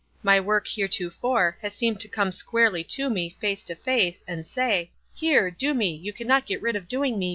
My work, heretofore, has seemed to come squarely to me, face to face, and say, 'Here, do me: you cannot get rid of doing me.